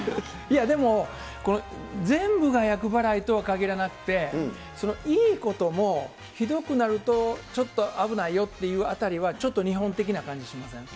でもこれ、全部が厄払いとは限らなくて、いいことも、ひどくなるとちょっと危ないよというあたりは、ちょっと日本的な感じしません？